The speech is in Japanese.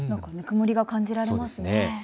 ぬくもりが感じられますね。